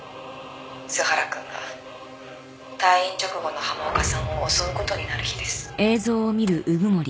栖原君が退院直後の浜岡さんを襲うことになる日です。